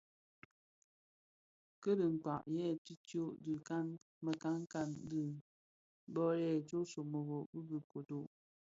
A dhikpää, yè tishyō ti mekankan ti bë lè Ntsomorogo dhi bë ködő.